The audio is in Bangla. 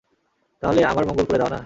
তাহলে আমার মঙ্গল করে দাও না?